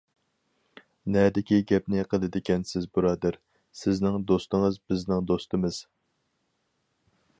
-نەدىكى گەپنى قىلىدىكەنسىز بۇرادەر، سىزنىڭ دوستىڭىز بىزنىڭ دوستىمىز.